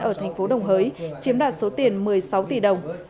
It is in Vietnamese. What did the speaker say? ở thành phố đồng hới chiếm đoạt số tiền một mươi sáu tỷ đồng